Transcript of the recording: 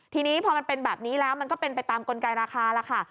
ทีนี้พอมันเป็นแบบนี้แล้วมันก็เป็นไปตามกลไกราคาแล้วค่ะ